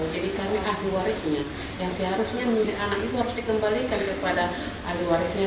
jadi karena ahli warisnya yang seharusnya milik anak itu harus dikembalikan kepada ahli warisnya